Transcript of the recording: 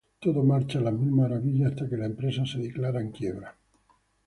Todo marcha a las mil maravillas hasta que la empresa se declara en quiebra.